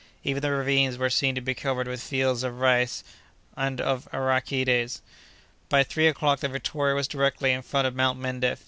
Even the ravines were seen to be covered with fields of rice and of arachides. By three o'clock the Victoria was directly in front of Mount Mendif.